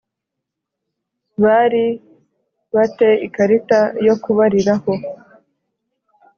bari ba te ikarita yo kubariraho